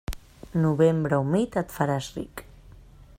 Novembre humit, et faràs ric.